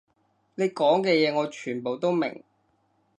你講嘅嘢我全部都明